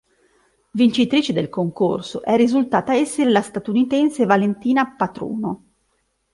Vincitrice del concorso è risultata essere la statunitense Valentina Patruno.